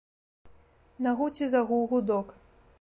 На гуце загуў гудок.